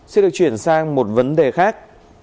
sẽ được chuyển sang một vấn đề khác